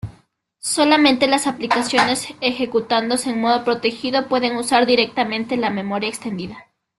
Solamente las aplicaciones ejecutándose en modo protegido pueden usar directamente la memoria extendida.